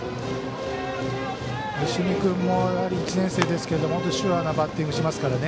石見君も１年生ですけどシュアなバッティングをしますからね。